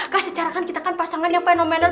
kah secara kan kita kan pasangan yang fenomenal